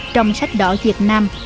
trong sách đỏ việt nam